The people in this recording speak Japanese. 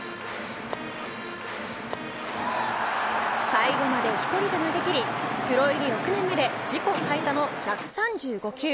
最後まで１人で投げ切りプロ入り６年目で自己最多の１３５球。